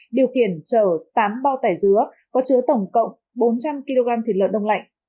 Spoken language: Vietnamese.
điều kiển chở tám bao tải dứa có chứa tổng cộng bốn trăm linh kg thịt lợn đông lạnh